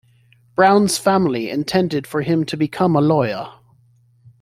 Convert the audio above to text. Brown's family intended for him to become a lawyer.